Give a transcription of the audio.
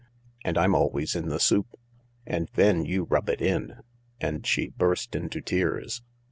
And I'm always in the soup. And then you rub it in." And she burst into tears.